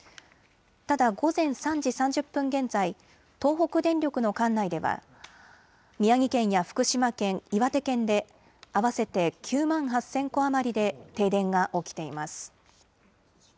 ただ午前３時３０分現在、東北電力の管内では宮城県や福島県、岩手県で合わせて９万８０００戸余りで停電が起きています。